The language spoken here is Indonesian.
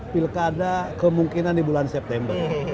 pilkada kemungkinan di bulan september